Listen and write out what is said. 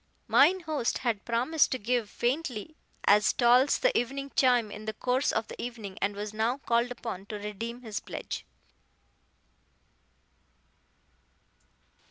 Mine host had promised to give Faintly as Tolls the Evening Chime in the course of the evening, and was now called upon to redeem his pledge.